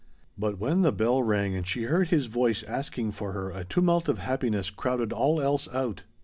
But when the bell rang and she heard his voice asking for her a tumult of happiness crowded all else out.